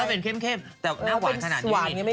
มันก็เป็นเข้มเข้มแต่หน้าหวานขนาดนี้